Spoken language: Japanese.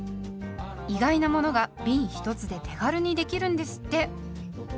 意外なものがびん１つで手軽にできるんですって。